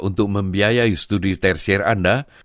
untuk membiayai studi tersier anda